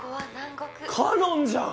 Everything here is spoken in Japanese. かのんじゃん！